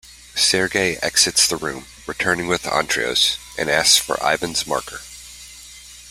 Serge exits the room, returning with the Antrios, and asks for Yvan's marker.